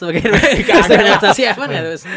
mas keinvestasi aman nggak ya mas